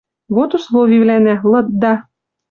Вот условивлӓнӓ, лыдда, —